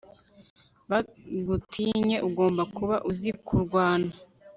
bagutinye ugomba kuba uzikurwana